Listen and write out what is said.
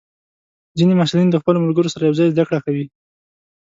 ځینې محصلین د خپلو ملګرو سره یوځای زده کړه کوي.